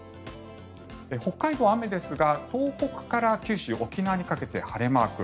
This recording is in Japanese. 北海道は雨ですが東北から九州、沖縄にかけて晴れマーク。